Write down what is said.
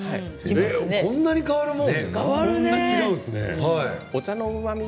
こんなに変わるもの？